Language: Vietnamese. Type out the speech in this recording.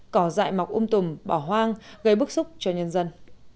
cỏ dại mọc um tùm bỏ hoang gây bức xúc cho nhân dân